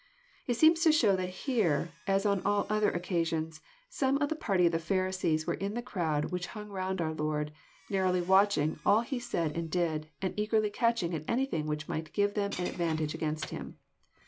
It seems to show that here, as^on all other occa sions, some of the party of the Pharisees were in the crowd which hung round our Lord, narrowly watching all he said and did, and eagerly catching at anything which might give them an advantage against Him.